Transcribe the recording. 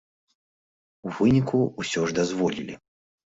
У выніку, усе ж дазволілі.